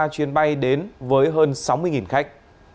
ba trăm hai mươi ba chuyến bay đến với hơn sáu mươi khách